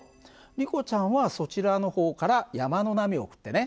リコちゃんはそちらの方から山の波を送ってね。